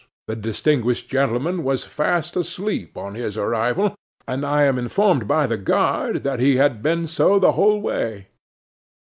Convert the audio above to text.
The distinguished gentleman was fast asleep on his arrival, and I am informed by the guard that he had been so the whole way.